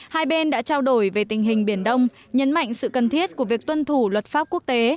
hai bên đã trao đổi về tình hình biển đông nhấn mạnh sự cần thiết của việc tuân thủ luật pháp quốc tế